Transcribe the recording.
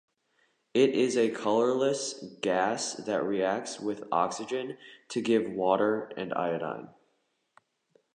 It is a colourless gas that reacts with oxygen to give water and iodine.